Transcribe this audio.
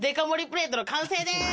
プレートの完成でーす！